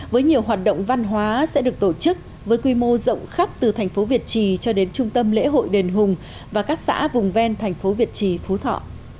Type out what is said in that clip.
với nhiều hoạt động văn hóa sẽ được tổ chức với quy mô rộng khắp từ thành phố việt trì cho đến trung tâm lễ hội đền hùng và các xã vùng ven thành phố việt trì phú thọ